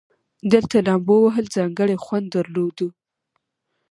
دلته لومبو وهل ځانګړى خوند درلودو.